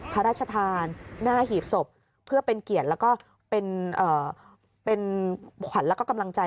พระราชทานหน้าหีบศพเพื่อเป็นเกียรติแล้วก็เป็นขวัญแล้วก็กำลังใจ